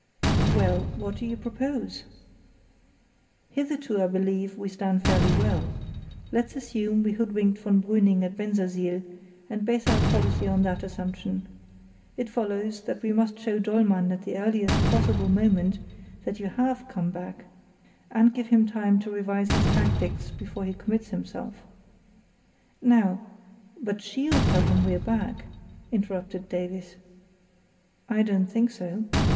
"Well, what do you propose?" "Hitherto I believe we stand fairly well. Let's assume we hoodwinked von Brüning at Bensersiel, and base our policy on that assumption. It follows that we must show Dollmann at the earliest possible moment that you have come back, and give him time to revise his tactics before he commits himself. Now——" "But she'll tell him we're back," interrupted Davies. "I don't think so.